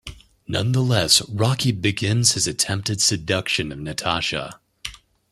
Nonetheless, Rocky begins his attempted seduction of Natasha.